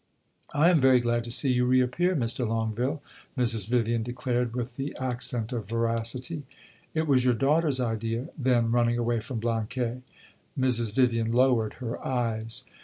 "I am very glad to see you re appear, Mr. Longueville," Mrs. Vivian declared with the accent of veracity. "It was your daughter's idea, then, running away from Blanquais?" Mrs. Vivian lowered her eyes.